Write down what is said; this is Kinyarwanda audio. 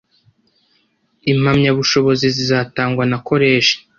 impamyabushobozi zitangwa na koleji